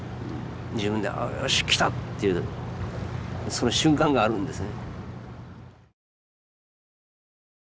自分であっよし来たっていうその瞬間があるんですね。